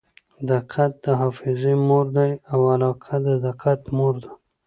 دقت د حافظې مور دئ او علاقه د دقت مور ده.